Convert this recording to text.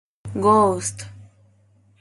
Ghost!